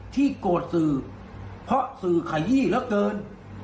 โกรธสื่อเพราะสื่อขยี้เหลือเกิน